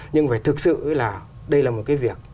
nhưng phải thực sự là đây là một cái việc